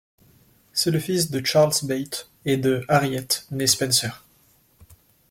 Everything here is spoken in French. C'est le fils de Charles Bate et d’Harriet née Spencer.